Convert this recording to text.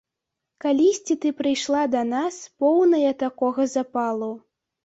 Калісьці ты прыйшла да нас, поўная такога запалу.